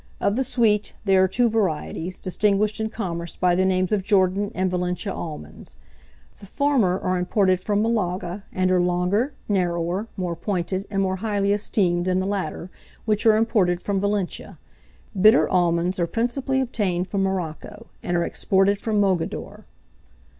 Of the sweet, there are two varieties, distinguished in commerce by the names of Jordan and Valentia almonds. The former are imported from Malaga, and are longer, narrower, more pointed, and more highly esteemed than the latter, which are imported from Valentia. Bitter almonds are principally obtained from Morocco, and are exported from Mogador.